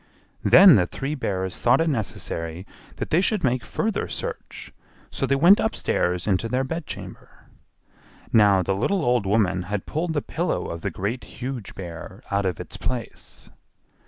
Then the three bears thought it necessary that they should make further search; so they went upstairs into their bedchamber. Now the little old woman had pulled the pillow of the Great, Huge Bear out of its place.